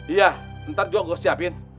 iya ntar juga gue siapin